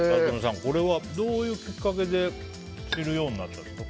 これはどういうきっかけで知るようになったんですか？